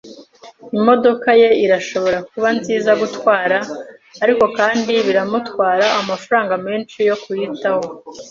Imodoka ye irashobora kuba nziza gutwara, ariko kandi biramutwara amafaranga menshi yo kuyitaho.